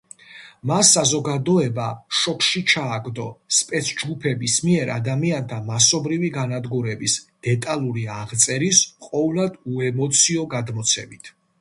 მას საზოგადოება შოკში ჩააგდო „სპეცჯგუფების“ მიერ ადამიანთა მასობრივი განადგურების დეტალური აღწერის ყოვლად უემოციო გადმოცემით.